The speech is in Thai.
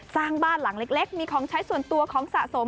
สร้างบ้านหลังเล็กมีของใช้ส่วนตัวของสะสม